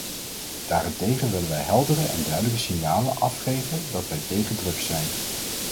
Daarentegen willen wij heldere en duidelijke signalen afgeven dat wij tegen drugs zijn.